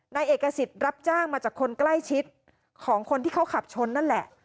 นายเอกสิทธิ์รับจ้างมาจากคนใกล้ชิดของคนที่เขาขับชนนั่นแหละ